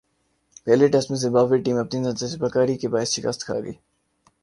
پہلے ٹیسٹ میں Zimbabwe team اپنی ناتجربہ کاری کے باعث شکست کھاگئی ۔